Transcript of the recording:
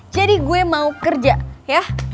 jadi gue mau kerja yah